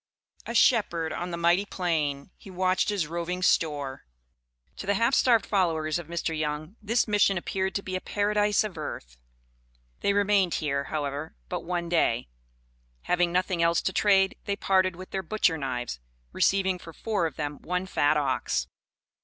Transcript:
"A shepherd on the mighty plain he watched his roving store." To the half starved followers of Mr. Young, this Mission appeared to be a "Paradise of Earth." They remained here, however, but one day. Having nothing else to trade, they parted with their butcher knives, receiving for four of them one fat ox.